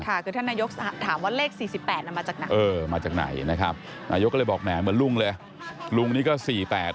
ค่ะคือท่านนายกถามว่าเลข๔๘มาจากไหน